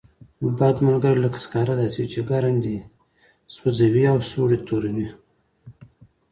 بد ملګری لکه سکاره داسې دی، چې ګرم دې سوځوي او سوړ دې توروي.